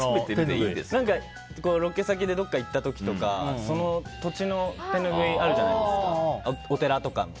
ロケ先でどこかに行った時とかその土地の手ぬぐいがあるじゃないですか。